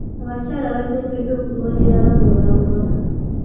Abakyala bateekeddwa okugondera abaami baabwe ewaka.